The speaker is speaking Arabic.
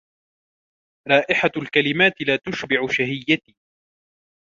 رائحة الكلمات لا تشبع شهيتي.